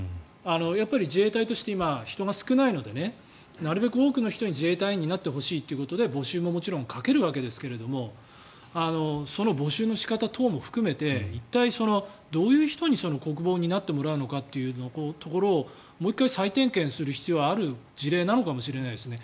やっぱり自衛隊として今、人が少ないのでなるべく多くの人に自衛隊員になってほしいということで募集ももちろんかけるわけですけれどもその募集の仕方等も含めて一体、どういう人に国防を担ってもらうのかというところをもう１回、再点検する必要がある事例なのかもしれないですね。